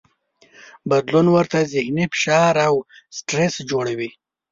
بدلون ورته ذهني فشار او سټرس جوړوي.